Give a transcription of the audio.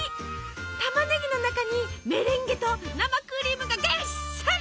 たまねぎの中にメレンゲと生クリームがぎっしり！